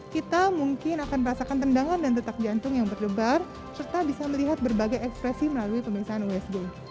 kita mungkin akan merasakan tendangan dan detak jantung yang berdebar serta bisa melihat berbagai ekspresi melalui pemeriksaan usg